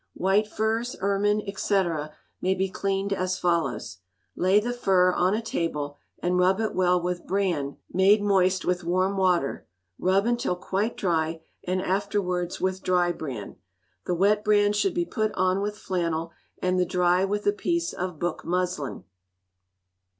White furs, ermine, &c., may be cleaned as follows: Lay the fur on a table, and rub it well with bran made moist with warm water; rub until quite dry, and afterwards with dry bran. The wet bran should be put on with flannel, and the dry with a piece of book muslin.